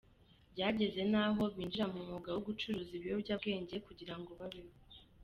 Byageze n’aho binjira mu mwuga wo gucuruza ibiyobyabwenge kugira ngo babeho.